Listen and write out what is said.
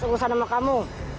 urusan sama kamu